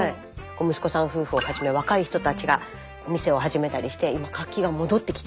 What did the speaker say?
息子さん夫婦をはじめ若い人たちがお店を始めたりして今活気が戻ってきて。